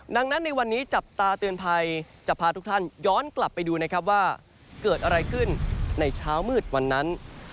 ดังนั้นในวันนี้จับตาเตือนภัยจะพาทุกท่านย้อนกลับไปดูนะครับว่าเกิดอะไรขึ้นในเช้ามืดวันนั้น